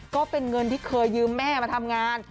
ก็เป็นเงินที่เคยยืมแม่มาทำงาน